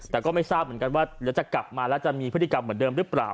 แต่ก็ไม่ทราบเหมือนกันว่าเดี๋ยวจะกลับมาแล้วจะมีพฤติกรรมเหมือนเดิมหรือเปล่า